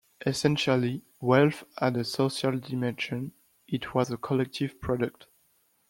Essentially, wealth had a social dimension; it was a collective product.